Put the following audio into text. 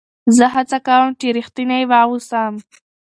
زه هڅه کوم، چي رښتینی واوسم.